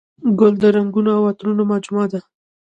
ګل د رنګونو او عطرونو مجموعه ده.